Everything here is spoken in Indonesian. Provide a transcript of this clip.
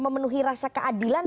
memenuhi rasa keadilan